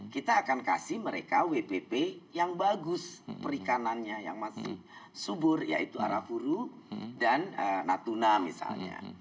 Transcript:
kita akan kasih mereka wpp yang bagus perikanannya yang masih subur yaitu arafuru dan natuna misalnya